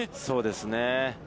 そうですね。